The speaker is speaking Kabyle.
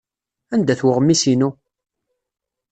Anda-t weɣmis-inu?